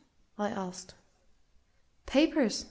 I asked. "Papers!"